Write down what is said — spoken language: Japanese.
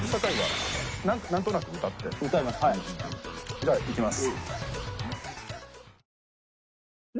じゃあいきます。